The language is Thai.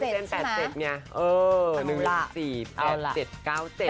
เพราะว่าพี่ใจแอน๘๗เนี่ย